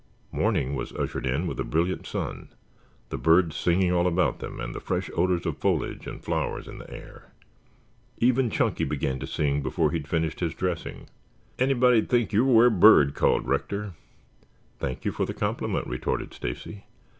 Morning was ushered in with a brilliant sun, the birds singing all about them and the fresh odors of foliage and flowers in the air. Even Chunky began to sing before he had finished his dressing. "Anybody'd think you were a bird," called Rector. "Thank you for the compliment," retorted Stacy.